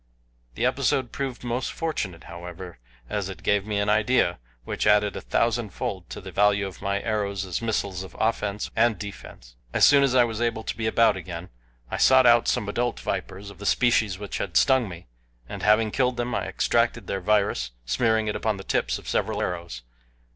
The episode proved most fortunate, however, as it gave me an idea which added a thousand fold to the value of my arrows as missiles of offense and defense. As soon as I was able to be about again, I sought out some adult vipers of the species which had stung me, and having killed them, I extracted their virus, smearing it upon the tips of several arrows.